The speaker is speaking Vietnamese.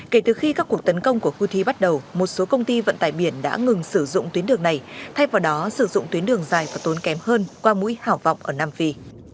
kể từ khi các cuộc tấn công của houthi bắt đầu một số công ty vận tải biển đã ngừng sử dụng tuyến đường này thay vào đó sử dụng tuyến đường dài và tốn kém hơn qua mũi hảo vọng ở nam phi